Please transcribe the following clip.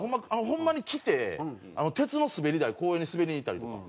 ホンマに着て鉄の滑り台公園に滑りに行ったりとか。